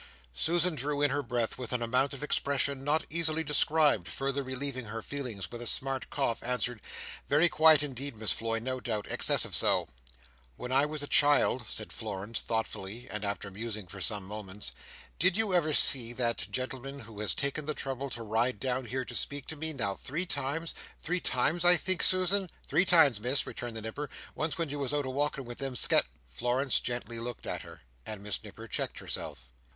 Susan drew in her breath with an amount of expression not easily described, further relieving her feelings with a smart cough, answered, "Very quiet indeed, Miss Floy, no doubt. Excessive so." "When I was a child," said Florence, thoughtfully, and after musing for some moments, "did you ever see that gentleman who has taken the trouble to ride down here to speak to me, now three times—three times, I think, Susan?" "Three times, Miss," returned the Nipper. "Once when you was out a walking with them Sket—" Florence gently looked at her, and Miss Nipper checked herself.